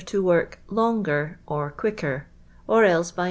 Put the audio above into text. » work loncer or quicker, or K by •.